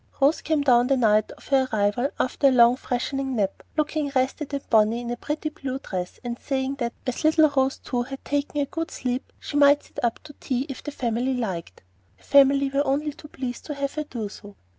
Rose came down the night of her arrival after a long, freshening nap, looking rested and bonny in a pretty blue dress, and saying that as little Rose too had taken a good sleep, she might sit up to tea if the family liked. The family were only too pleased to have her do so.